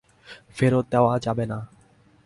ফেরত দেওয়া যাবে না।